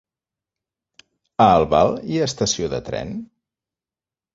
A Albal hi ha estació de tren?